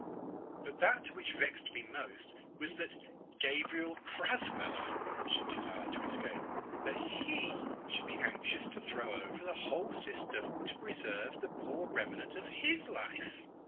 But that which vexed me most was that Gabriel Crasweller should desire to escape, that he should be anxious to throw over the whole system to preserve the poor remnant of his life.